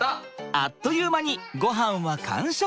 あっという間にごはんは完食。